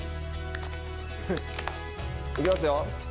行きますよ。